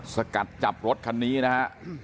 สกัดจับรถคันนี้นะฮะ